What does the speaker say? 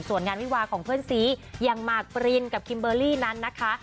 ส่วนงานวิวาของเพื่อนซีอย่างมากปรินกับคิมเบอร์รี่นั้นนะคะ